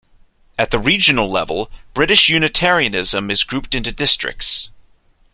At the regional level, British Unitarianism is grouped into Districts.